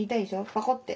パコッて。